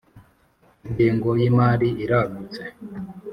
ingengo y ‘imari iragutse.